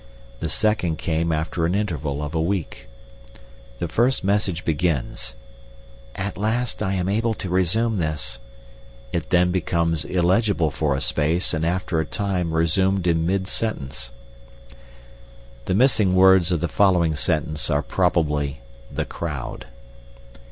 The second came after an interval of a week. The first message begins: "At last I am able to resume this—" it then becomes illegible for a space, and after a time resumed in mid sentence. The missing words of the following sentence are probably "the crowd."